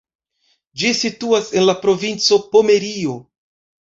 Ĝi situas en la provinco Pomerio.